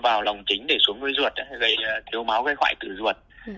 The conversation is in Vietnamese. vào lòng chính để xuống nuôi ruột gây thiếu máu với hoại tử ruột